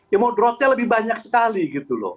ya mau dropnya lebih banyak sekali gitu loh